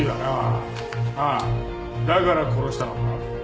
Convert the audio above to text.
あっだから殺したのか？